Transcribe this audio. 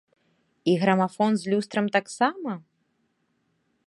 І грамафон з люстрам таксама?